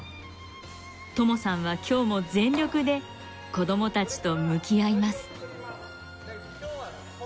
ともさんは今日も全力で子どもたちと向き合います。